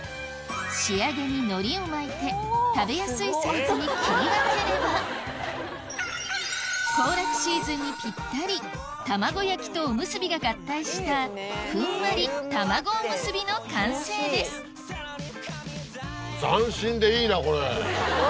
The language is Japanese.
仕上げに海苔を巻いて食べやすいサイズに切り分ければ行楽シーズンにぴったり卵焼きとおむすびが合体したふんわり卵おむすびの完成ですでいいなこれ。